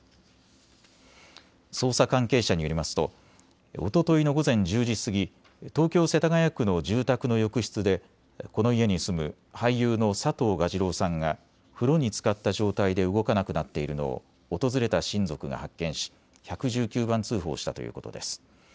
捜査関係者によりますとおとといの午前１０時過ぎ、東京世田谷区の住宅の浴室でこの家に住む俳優の佐藤蛾次郎さんが風呂につかった状態で動かなくなっているのを訪れた親族が発見し１１９番通報したということです。